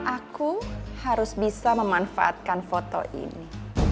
aku harus bisa memanfaatkan foto ini